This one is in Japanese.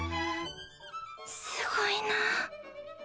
すごいなぁ。